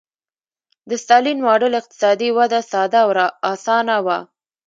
د ستالین ماډل اقتصادي وده ساده او اسانه وه